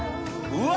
うわ！